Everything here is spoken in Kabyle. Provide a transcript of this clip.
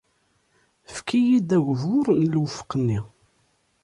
Efk-iyi-d agbur n lewfeq-nni.